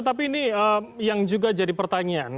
tapi ini yang juga jadi pertanyaan